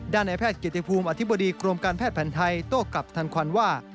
ในแพทย์เกียรติภูมิอธิบดีกรมการแพทย์แผ่นไทยโต้กลับทันควันว่า